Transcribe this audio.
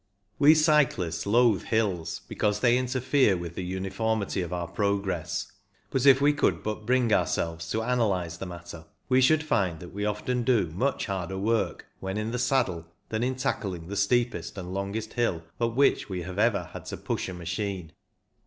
We cyclists loathe hills because they interfere with the uni formity of our progress; but if we could but bring ourselves to analyze the matter, we should find that we often do much harder work when in the saddle than in tackling the steepest and longest hill up which we have ever had to push a machine.